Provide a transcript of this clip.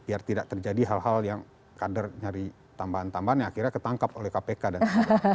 biar tidak terjadi hal hal yang kader nyari tambahan tambahan yang akhirnya ketangkap oleh kpk dan sebagainya